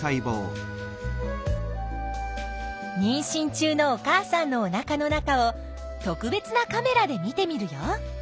にんしん中のお母さんのおなかの中を特別なカメラで見てみるよ！